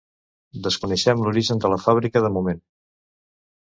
Desconeixem l'origen de la fàbrica, de moment.